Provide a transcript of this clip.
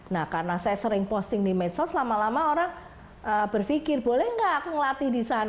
nah karena saya sering posting di medsos lama lama orang berpikir boleh nggak aku ngelatih di sana